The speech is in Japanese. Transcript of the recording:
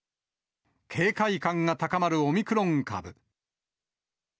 警戒感が高まるオミクロン株。